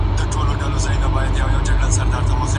د پلار دعا د ټولې کورنی د ساتنې لپاره یو فولادي ډال دی.